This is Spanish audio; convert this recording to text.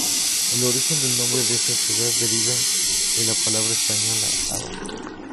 El origen del nombre de esta ciudad deriva de la palabra española abra.